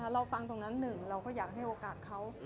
เราฟังตรงนั้นหนึ่งเราก็อยากให้โอกาสเขา